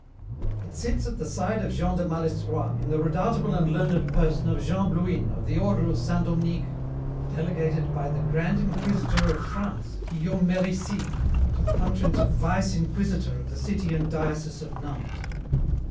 "It sits at the side of Jean de Malestroit in the redoubtable and learned person of Jean Blouyn of the order of Saint Dominic, delegated by the Grand Inquisitor of France, Guillaume Merici, to the functions of Vice Inquisitor of the city and diocese of Nantes.